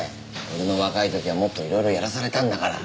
俺の若い時はもっといろいろやらされたんだから。